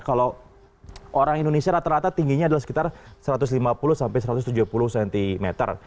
kalau orang indonesia rata rata tingginya adalah sekitar satu ratus lima puluh sampai satu ratus tujuh puluh cm